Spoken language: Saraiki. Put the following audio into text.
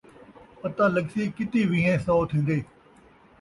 پتہ لڳسی کِتی ویہیں سو تھیندے